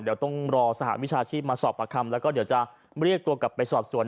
เดี๋ยวต้องรอสหวิชาชีพมาสอบประคำแล้วก็เดี๋ยวจะเรียกตัวกลับไปสอบสวน